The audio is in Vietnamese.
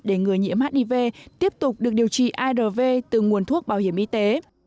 để người nhiễm hiv tiếp tục được điều trị arv từ nguồn thuốc bảo hiểm y tế